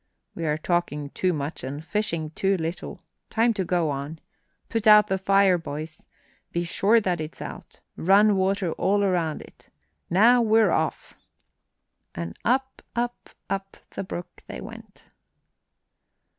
"We are talking too much and fishing too little. Time to go on. Put out the fire, boys. Be sure that it's out. Run water all around it. Now we're off!" And up, up, up the brook they went.